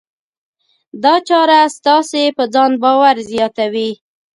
دا چاره ستاسې په ځان باور زیاتوي.